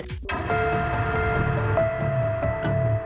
อร์โน้ม